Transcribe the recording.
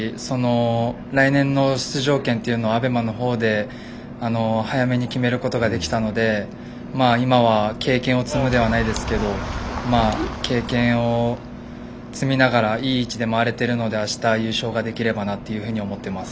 来年の出場権というのをＡＢＥＭＡの方で早めに決めることができたので今は経験を積むではないですが経験を積みながらいい位置で回れているのであした優勝できればなと思います。